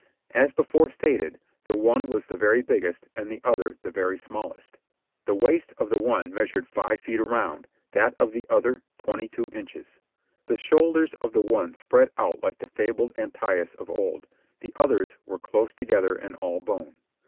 As before stated, the one was the very biggest, and the other the very smallest. The waist of the one measured five feet around, that of the other twenty two inches. The shoulders of the one spread out like the fabled Antaeus of old, — the other's were close together and all bone.